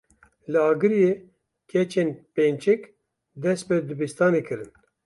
Li Agiriyê keçên pêncik dest bi dibistanê kirin.